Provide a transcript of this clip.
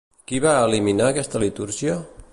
Qui va eliminar aquesta litúrgia?